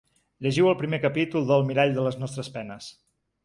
Llegiu el primer capítol de El mirall de les nostres penes.